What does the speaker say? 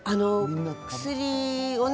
薬をね